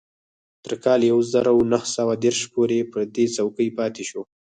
تر کال يو زر و نهه سوه دېرش پورې پر دې څوکۍ پاتې شو.